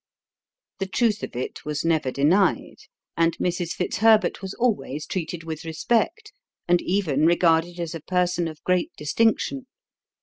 The truth of it was never denied, and Mrs. Fitzherbert was always treated with respect, and even regarded as a person of great distinction.